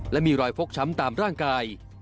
และมีรอยฟกช้ำตามร่างกาย